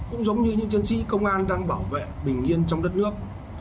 cũng giống như những chiến sĩ công an đang bảo vệ bình yên trong đất nước